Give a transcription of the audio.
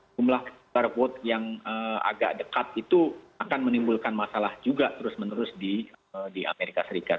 jumlah barcode yang agak dekat itu akan menimbulkan masalah juga terus menerus di amerika serikat